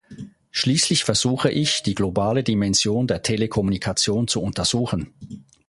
Schließlich versuche ich, die globale Dimension der Telekommunikation zu untersuchen.